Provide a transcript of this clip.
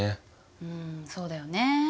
うんそうだよね。